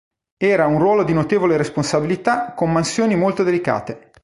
Era un ruolo di notevole responsabilità con mansioni molto delicate.